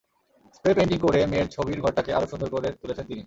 Spray painting করে মেয়ের ছবির ঘরটাকে আরও সুন্দর করে তুলেছেন তিনি।